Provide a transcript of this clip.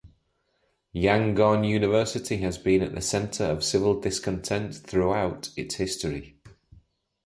Yangon University has been at the centre of civil discontent throughout its history.